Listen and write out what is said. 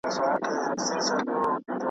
زه به مي څنګه په سیالانو کي عیدګاه ته ځمه .